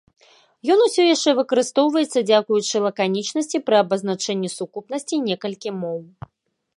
Ён усё яшчэ выкарыстоўваецца, дзякуючы лаканічнасці пры абазначэнні сукупнасці некалькі моў.